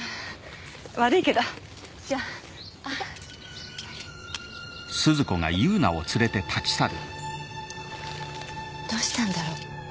悪いけどじゃあ行こうどうしたんだろ？